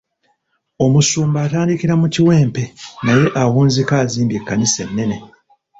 Omusumba atandikira mu kiwempe naye awunzika azimbye ekkanisa enene.